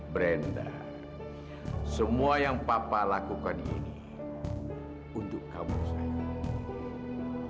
brenda semua yang papa lakukan ini untuk kamu saya